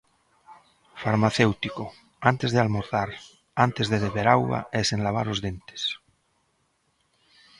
Farmacéutico: Antes de almorzar, antes de beber auga e sen lavar os dentes.